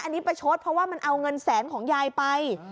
อันนี้ประชดเพราะว่ามันเอาเงินแสนของยายไป